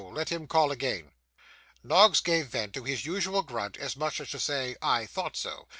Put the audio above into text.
Let him call again.' Noggs gave vent to his usual grunt, as much as to say 'I thought so!